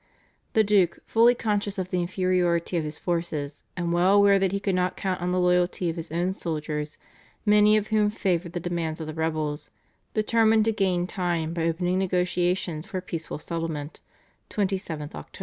The Duke, fully conscious of the inferiority of his forces and well aware that he could not count on the loyalty of his own soldiers, many of whom favoured the demands of the rebels, determined to gain time by opening negotiations for a peaceful settlement (27th Oct.).